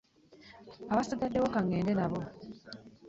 Abasigaddewo ka ŋŋende nabo.